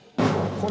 これ。